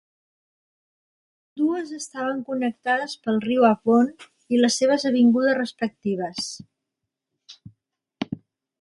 Les dues estaven connectades pel riu Avon i les seves avingudes respectives.